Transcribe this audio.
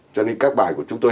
cho nên các bài của chúng tôi